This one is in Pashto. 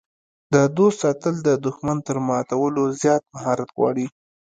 د دوست ساتل د دښمن تر ماتولو زیات مهارت غواړي.